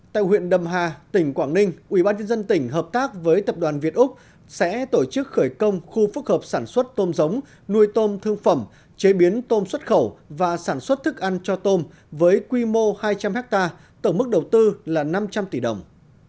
tại huyện đầm hà tỉnh quảng ninh ubnd tỉnh hợp tác với tập đoàn việt úc sẽ tổ chức khởi công khu phức hợp sản xuất tôm giống nuôi tôm thương phẩm chế biến tôm xuất khẩu và sản xuất thức ăn cho tôm với quy mô hai trăm linh hectare tổng mức đầu tư là năm trăm linh tỷ đồng